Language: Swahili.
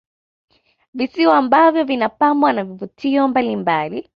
Visiwa ambavyo vinapambwa na vivutio mbalimbali